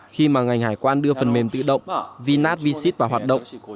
khi mà ngành hải quan đưa phần mềm tự động vnat vseed vào hoạt động